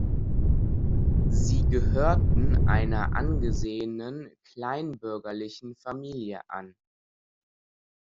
Sie gehörten einer angesehenen kleinbürgerlichen Familie an.